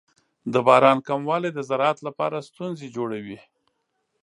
د باران کموالی د زراعت لپاره ستونزې جوړوي.